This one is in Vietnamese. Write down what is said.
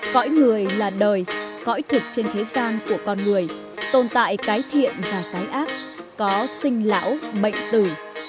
cõi người là đời cõi thực trên thế gian của con người tồn tại cái thiện và cái ác có sinh lão mệnh tử